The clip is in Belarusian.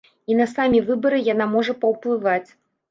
І на самі выбары яна можа паўплываць.